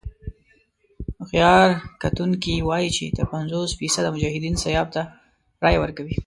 هوښیار کتونکي وايي چې تر پينځوس فيصده مجاهدين سیاف ته رايه ورکوي.